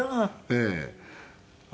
ええ。